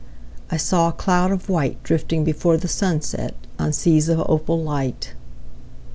. I saw a cloud of white Drifting before the sunset On seas of opal light.